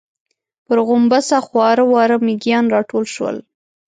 پر غومبسه خواره واره مېږيان راټول شول.